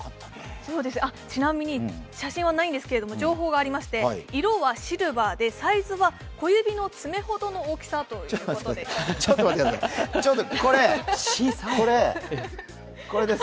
ちなみに、写真はないんですけど情報がありまして、色はシルバーでサイズは小指の爪ほどの大きさということです。